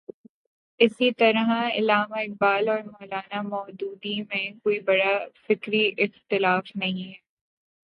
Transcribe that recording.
اسی طرح علامہ اقبال اور مو لا نا مو دودی میں کوئی بڑا فکری اختلاف نہیں ہے۔